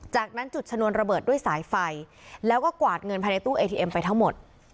จากนั้นจุดชนวนระเบิดด้วยสายไฟแล้วก็กวาดเงินภายในตู้เอทีเอ็มไปทั้งหมด